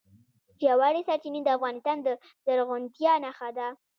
ژورې سرچینې د افغانستان د زرغونتیا نښه ده.